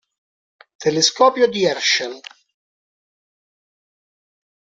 Telescopio di Herschel